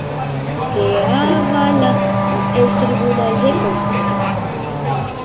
Què avala el Tribunal de Comptes?